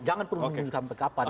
jangan perlu menunggu sampai kapan